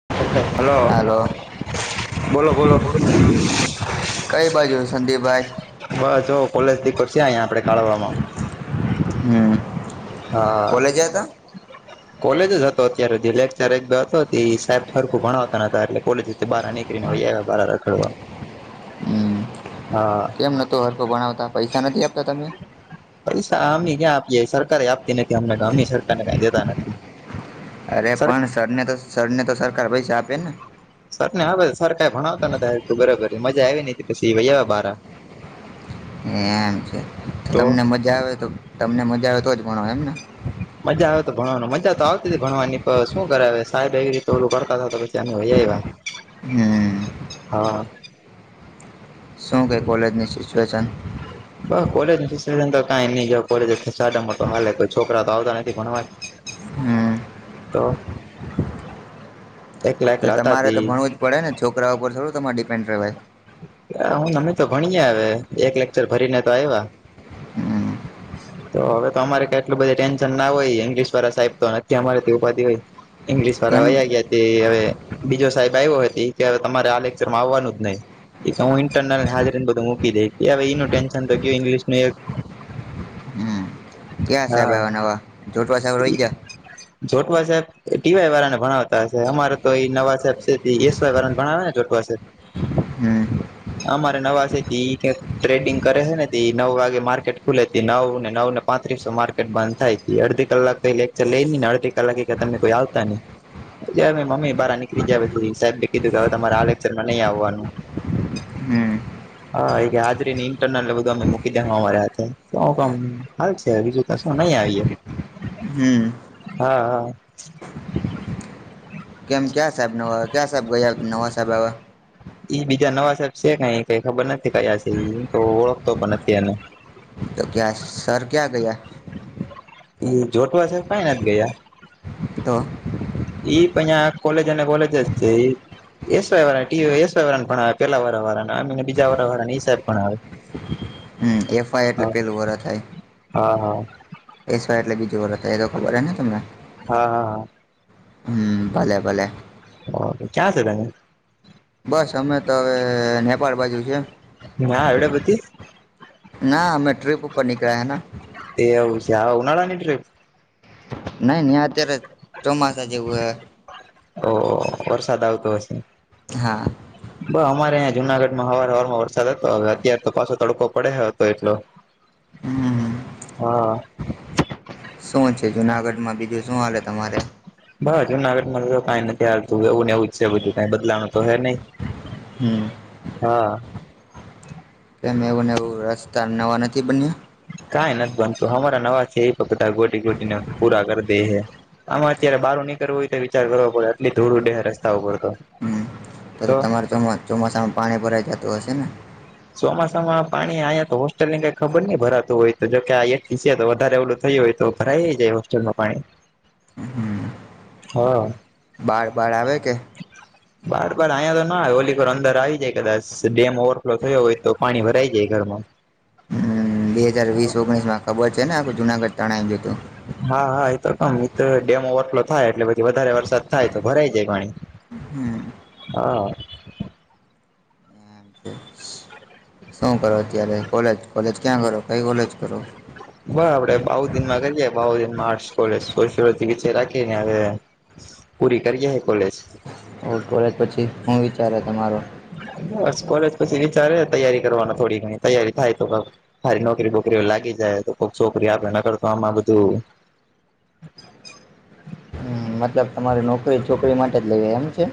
[inaudible] Hello. હાલો [inaudible] બોલો બોલો. કઈ [inaudible] બાજુ સંદીપભાઈ [inaudible] બસ હો કોલેજથી કરશ [unintelligible] આપડે [unintelligible] હમ હા. કોલેજ હતા કોલેજ જ હતો અત્યારે જે લેક્ચર એક બે હતો તે સાહેબ હરખું ભણાવતા ન હતા એટલે કોલેજ તે બહાર [unintelligible] બાર રખડવા. [inaudible] હમ હા કેમ નતો હરકો ભણાવતા પૈસા નથી આપતા તમે. પૈસા અમ ક્યાં આપીએ સરકારે આપતી નથી અમને તો અમેઈ સરકારને કઈ દેતા નથી. અરે સર પણ સરને તો સરને તો સરકાર પૈસા આપે ને સર ને હા સર કઈ ભણાવતા નથી બરાબર મજા આવી નહી પછીવા બાર એમ છે તમને મજા આવે તો તમને મજા આવે તોજ ભણો એમને મજા આવે તો ભણવાનું મજા તો આવતી હતી ભણવાની પણ શું કરે આવે સાહેબ એવી રીતે ઓલું કરતા હતા તો પછી એનું એવા હમ હા શું કે કોલેજની સિચ્યુએશન બસ કોલેજ તો કઈ એે સાડામાં હાલે કોઈ છોકરા તો આવતા નથી ભણવા હમ તો એકલા તો એકલા હતા તમારે તો તી ભણવું જ પડે ને છોકરા ઉપર થોડું તમારે ડિપેન્ડ રહેવાય હું અમે તો ભણીએ હ એક લેકચર ભરીને તો આવ્યા હમ તો હવે તો અમારે ક એટલું બધું ટેન્શન ના હોય ઇંગ્લિશ વાડા સાહે તો નથી અમારે ઉભા થાય હોય ઈંગ્લિશ વાળા કેમ વહી ગયા હવે બીજો સાહેબ આવ્યો કે હવે તમારે આ લેક્ચરમાં આવવાનું જ નહી હું ઇન્ટરનલ હાજરી ને બધું મૂકી દઈ હવે એનું ટેન્શન તો ગયું ઇંગ્શનું એક હમ ક્યાં સાહેબ હા આવ્યા નવા જોટવા સાહેબ રહી ગયા જોટવા સાહેબ ટી વાય વાળા ને ભણાવતા હશે અમારે તો એ નવા સાહેબ છે એસ વાય વાળાને ભણાવે ને જોટવા સાહેબ હમ અમારે નવા છે થી ટ્રેડિંગ કરે છે ને નવ વાગે માર્કેટ ખુલે નવને નવ ને પાંચ માર્કેટ બંધ થાય અડધી કલાક ક લેકચર લઈ ન ને અડધી કલાક તમને કોઈ આવતા નહી મમ્મી બહાર નીકળી જયાી સાહેબ કીધું કે તમારા આલેક્સરમાં નહી આવવાનું હમ હા એ હાજરી ઇન્ટરનલ બધું અ મૂકી દે અમારા હાથે હાલ છે બીજું કશું નહી આવીએ હમ હા હા કેમ ક્યા સાહેબ નવા કેમ સાહેબ ગયા નવા સાહેબ હવે એ બીજા નવા સાહેબ છે ક કઈ ખબર નથી કયા છે તો ઓળખતો પણ નથી એને તો ક્યાં સર ક્યાં ગયા એ જોટવા છે કઈ નહી નથી ગયા તો ઈ પણં કોલેજ અને કોલેજ છે એસ વાય વારા ભણાવે પણ આવે પેલા વાર ભણાવે આવીને બીજા વાર વાળાને ઈ સાહેબ ભણાવે હમ એફઆઈ એટલે હા પેલું વર થાય હા એસ વાય એટલે બીજું વર હતા એ તો ખબર હે ને તમને હા હા હા હ ભલે ભલે ઓ ક્યાં છે તને બસ અમે તો હવે નેપાળ બાજુ છે ના એવડે ના અમે ટ્રીપ ઉપર નીકળ્યા હે ને એ આવવું છે આ ઉનાળા ની ટ્રીપ નહી અત્યારે ચોમાસા જેવું હે ઓ વરસાદ આવતો હશે હા બ અમારે જુનાગઢમાં હવાર હવારમાં વરસાદ હતો હવે અત્ય્યારે તો પાછો તડકો પડે હતો એટલો હમ હા શું છે જુનાગઢમાં બીજું શું હાલે તમારે બસ જુનાગઢ માં તો કઈ નથી હાલતું એવું એવું જ છે બધું કાય બદલાણ તો હે નહી હમ હા કેમ એવુંને એવું રસ્તા નવા નથી બન્યા કઈ નથી બનતું અમારા નવા છે એ પણ બધા ગોટી ગોટીને પૂરા કરી દે છે આમાં અત્યારે બહાર નીકળવું હોય તો વિચાર કરવો પડે આટલી થોડ ઉડે રસ્તા ઉપર તો હમ તો તો તમારે ચોમાસામાં પાણી ભરાઈ જતું હશે ને ચોમાસામાં પાણી આયા તો હોસ્ટેલ ની કઈ ખબર નહી ભરાતું હોય તો જોકે આ એક છે તો વધારે ઓલું થાય હો તો ભરાયજાય હોલમાં હ બાર બાર આવે કે બાર બાર અહીંયા તો ના હોલીોર અંદર આવી જાય કદાચ ડેમ ઓવરફ્લો થયો હોય તો પાણી ભરાઈ જાય ઘરમાં હ બે હાજાર વીસ ઓગણીસ માં ખબર છે ને આખું જુનાગઢ તણાઈને જોતું હા હા એ તો કમ ઈ તો ડેમ ઓવરફ્લો થાય એટલે પછી વધારે વરસાદ થાય તો ભરાય જાય પાણી હમ હા શું કરો અત્યારે કોલેજ કોલેજ ક્યાં કરો કઈ કોલેજ કરો આર્ટ કોથી ચે રાખીને હવે પૂરી કરીએ કોલેજ ઓ કોલેજ પછી હું વિચાર તમારો બસ કોલેજ પછી વિચારે તૈયારી કરવાનો થોડી ઘણી તૈયારી થાય તોારી નોકરી બોકરી લાગે લી જાય તોક છોકરી આપે ન કરતો આમાં બધું હ મતલબ તમારી નોકરી છોકરી માટે જ લઈ એમ છે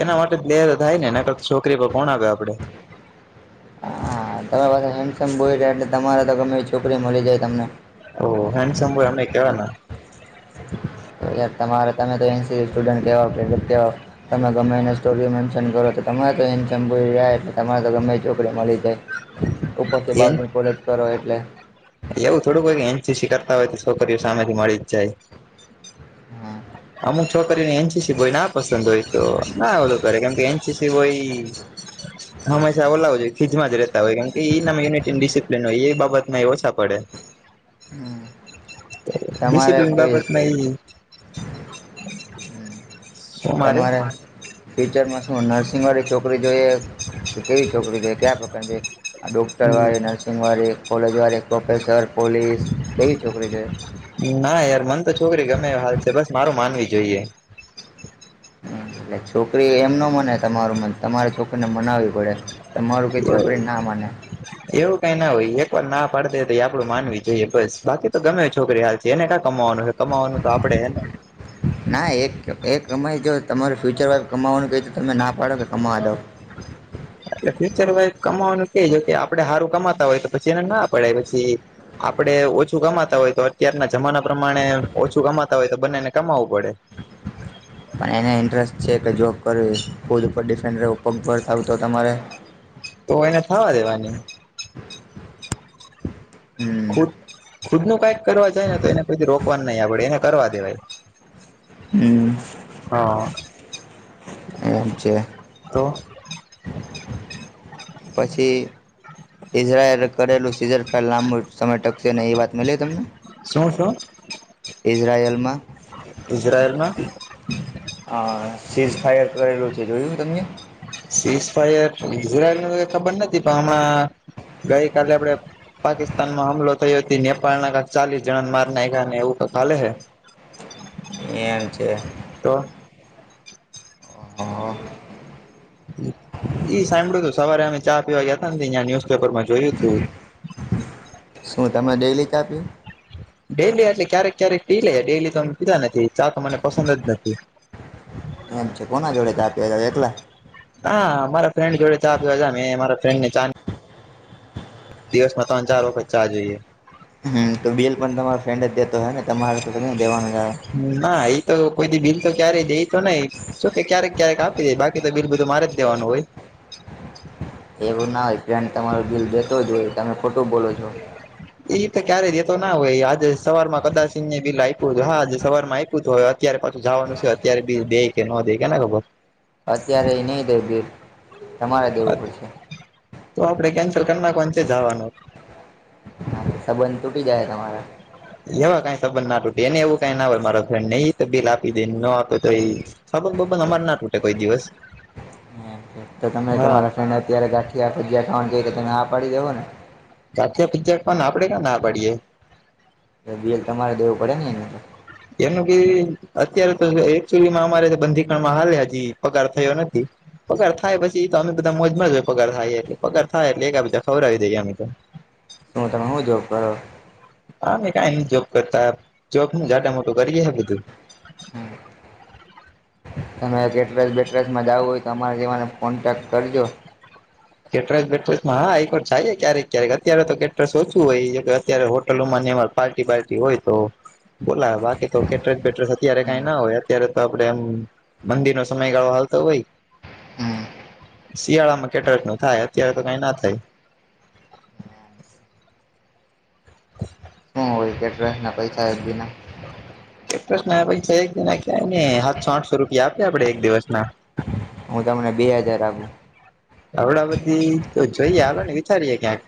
એના માટે બેે થાય નેને છોકરી પર કોણ આવે આપડે હા તમારી પાસે હેન્ડસમ બોય રહ્યા એટલે તમારે તો ગમે છોકરી મળી જાય તમને ઓહ હેન્ડસમ બોય અમે કેવાના તો યાર તમારે તમે તો એનસીસી સ્ટુડન્ટ કેવાઓ એ કે અતં તમે ગમે એને સ્ટોરી મેન્શન કરો તો તમારે તો એમ સંભૂ જાય એટલે તમારે તો ગમે છોકરી મળી જાય ઉપરથી એન બારની કોલેજ કરો એટલે એવું થોડુંક હોય કે એનસીસી કરતા હોય તો છોકરીઓ સામેથી મળી જ જાય હા અમુક છોકરીને એનસીસી બોય ના પસંદ હોય તો ના ઓલું કરે કેમ કે એનસીસી બોય હંમેશા ઓલા જ હોય ખીજમાં જ રહેતા હોય કેમ કે એનામ યુનિટી ડિસિપ્લિન હોય એ બાબતમાં એ ઓછા પડે [inaudible] હમ તમારે ડિસિપ્લિન કેવી બાબત નહી તમારે ફ્યુચરમાં શું નર્સિંગ વળી છોકરી જોઈએ કે કેવી છોકરી જોઈએ કયા પ્રકારની જોઈએ આ ડોક્ટરવાળી નર્સિંગવાડી કોલેજ વાળી પ્રોફેસર પોલીસ કેવી છોકરી જોએ ના યાર મને તો છોકરી ગમે હાલ છે બસ મારું માનવી જોઈએ એટલે છોકરી એમ ન મને તમારું મન તમારે છોકરીને મનાવવી પડે તમારું કંઈ છોકરી ના માને એવું કઈ ના હોય એક વાર ના પાડ દે તો એક વાર આપડું માનવી જોઈએ બસ બાકી તો ગમે છોકરી હાલ એને કા કમાવાનું હોય કમાવાનું તો આપડે હેને ના એક એક કમાઈ જો તમારું ફ્યુચર વાઇફ કમાવવાનું કહે તો તમે ના પાડો કે કમાવા દો એટલે ફ્યુચર વાઇફ કમાવાનું કે જો કે આપડે સારું કમાતા હોય તો પછી એને ના પડે પછી આપડે ઓછું કમાતા હોય તો અત્યારના જમાના પ્રમાણે ઓછું કમાતા હોય તો બંનેને કમાવવું પડે [inaudible] પણ એને ઇન્ટરેસ્ટ છે કે જોબ કરવી ખુદ ઉપર ડિફેન્ડ રહેવું પગ ઉપર થવું તો તમારે તો એને થવા દેવાની હમ ખુદ ખુદ નું કઈક કરવા જાય ને તો એના પછી રોક કવાની નહી આપડે એને કરવા દેવાય હમ હા એમ છે તો પછી ઇઝરાયલ કરેલું સિઝર [unintelligible] લાંબુ સમય ટકશેને નહીં એ વાત મળી તમને શું શું ઈઝરાયલમાં અ સીઝ ફાયર કરેલું છે જોયું તમને સીઝ ફાયર ઈઝરાયલ ને ખબર નથી પણ હમણાં ગઈકાલે આપડે પાકિસ્તાનમાં હમલો થયો હતી નેપાલ ના કાક ચાલીસ જણાને માર નાખ્યા ને એવું તો કાલે હે એમ છે તો હા ઈ સાંભળ્યું તું સવારે અમે ચા પીવા ગયાતા ને ત્યાં ન્યુઝપેપર માં જોયું તો શું તમે ડેલી ચા આપી ડેલી એટલે ક્યારેક ક્યારેક પી લઈએ ડેલી તોમે કીધા નથી ચા તો મને પસંદ જ નથી [inaudible] એમ છે કોના જોડે ચા પીવા જાઓ એકલા હા મારા ફ્રેન્ડ જોડે ચા પીવા જાઉં મે મારા ફ્રેન્ડ ને ચા દિવસ માં ત્રણ ચાર વખત ચા જોઈએ હમ તો બેિલ પણ તમારો ફ્રેન્ડ જ દેતો હે ને તમારે તો તમે દેવાનું આવે ના એ તો કોઈ બિલ તો ક્યારે દઈ તો નહી જોકે ક્યારેક ક્યારેક આપી દે બાકી તો બિલ બધું મારે જ દેવાનું હોય એવું ના હોય ફ્રેન્ડ તમારો બિલ દેતો જ હોય તમે ખોટું બોલો છો એ તો ક્યારેય જેતો ના હોય આજે સવાર માં કદાચિં ને બિલ આઇપુ હા સવારમાં આઇપુતું હવે અત્યારે પાછું જવાનું છે અત્યારે બી દે કે ન દે કેને ખબર અત્ય્યારે ને દ બર તો આપણે કેન્સલ કરી નાખ છે જવાનું સંબંધ તૂટી જાય તમારે એવા કઈ તબંધ નાૂટી એને એવું કઈ ના હો મારા ફ્રેડને એઈ તો બિલ આપી દે ન આપે તો એ સાબ બબન અમારે ના તૂટે કોઈ દિવસ તો તમે હા તમારા ફ્રેન્ડ અત્યારે ગાંઠિયા સજ્યા કાઉડ જઈ તો તને આ પાડી દવો ને કાઠ પજ પણ આપડે કે ના પડીએ બેલ તમારે દેવું પડે નને અહિયાયા તો એનું કે અત્યારે તો એકચુલીમાં અમારે બંધીકણમાં હાલે હજી પગાર થયો નથી પગાર થાય પછી તો અમે બધા મોજમાં જ હો પગાર થાય એટલે પગાર થાય એટલે એક બધા ખબર આવી દઈ ગયા અમે તો હું તમે હું જો કર હા કઈ ન જોબ કરતા જોબ જાટ મોટું કરીએે હ બધું હમ તમે એક એડ્રેસ બેટ્રેસ માં જાવ હોય તો અમારે તેવાને કોન્ટેક કરજો કેટરસ બેટસમાં હાકો જાય ક્યારેક ક્યારેક અત્યારે તો કેટરસ ઓછું હોય કે અત્યારે હોટલોમાં એમાં પાર્ટી પાર્ટી હોય તો બોલા બાકી તો કેટરેજ બેટરેસ અત્યારે કઈ ના હોય અત્યારે તો આપડે એમ મંદર નો સમયગાળો તો ભાઈ હમ શિયાળામાં કેટલાક નું થાય અત્યારે તો કઈ ના થાય [inaudible] શું હોય કેટરસ ના પૈસા એક બીના પ્રશ્ પછ એકના ક ને સાતસો આઠસો રૂપિયા આપે આપડે એક દિવસ ના હું તમને બે હાજાર આપું આવડા બધી તો જોઈએ આવે ને વિચારીએે ક્યાંક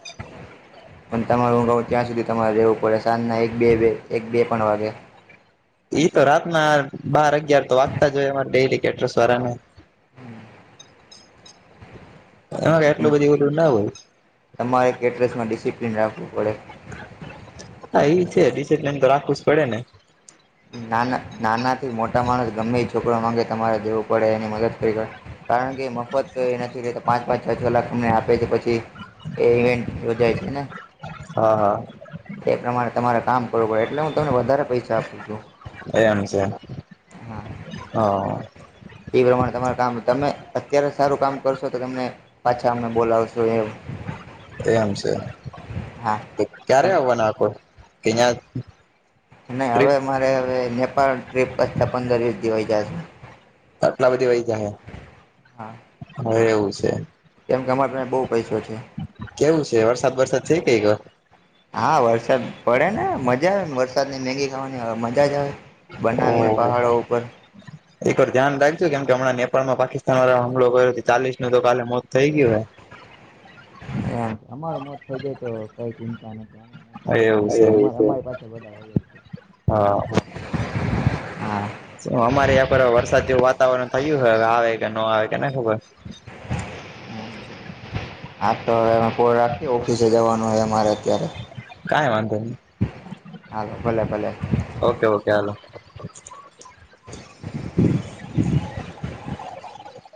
પણ તમારે હું ગઉ ત્યાં સુધી તમારે રહેવું પડે સાંજના એક બે એક બે પણ વાગે ઈ તો રાતના બાર અગિયાર તો વાગતા જ હોય અમા ડેલી કેટર્સ વાળા ને એમાં કે આટલું બધું ઓધું ના હોય તમારે કેટરસમાં ડિસિપ્લિન રાખવું પડે હા એ છે ડિસિપ્લીન તો રાખવું જ પડે ને ના નાના થી મોટા માણસ ગમે એ છોકરા માંગે તમારે જેવું પડે એની મદદ કરીે કારણ કે મફત નથી રેતો પાંચ પાંચ છ કલાક અમને આપે છે પછી એ ઇવેન્ટ યોજાય છે ને હા હા એ પ્રમાણે તમારે કામ કરવું પડે એટલે હું તમને વધારે પૈસા આપું છું એમ છે હા હ એ પ્રમાણે તમારા કામ તમે અત્યારે સારું કામ કરશો તો તમને પાછા અમે બોલાવશો એવું [inaudible] એમ છે હા ક્યારે આવવાનો આખો કેનયા નય હવે મારે હવે અંયા પર ટ્રીપ પચતા પંદર વીસ દી વઈ જશે જાહે. કેમ કે અમારે પાસે બહુ પૈસો છે કેવું છે વરસાદ બરસાદ છે, કઈક હા વરસાદ પડે ને મજા આવે વરસાદને મેગી ખાવાની અવે મજા જ આવે બનાવીને ઓહ પહાડો ઉપર એક વાત ધ્યાન રાખજો કેમ કે હમણાં નેપાળમાં પાકિસ્તાન વાળા હમલો કરયો ચાલીનું તો કાલે મોત થઈ ગયું હોય [inaudible] એમ અમાર મોત થઈ જાય તો કઈ ચિંતા નથી હે એવું છે એ બધા હોય જ છે. હા. હા. અમારે યા પર વરસાદ જેવું વાતાવરણ થયું હવે આવે કે ન આવે કે ને ખબર [inaudible] હા તો હવે અમે કોલ રાખી ઓફિસે જવાનું હોય અમારે અત્યારે કાઈ વાંધોની હાલો ભલે ભલે ઓકે ઓકે હાલો [inaudible]